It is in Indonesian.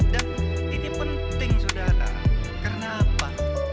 dan ini penting saudara karena apa